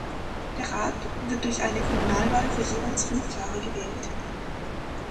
Der Rat wird durch eine Kommunalwahl für jeweils fünf Jahre gewählt.